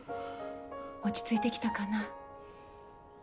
落ち着いてきたかな？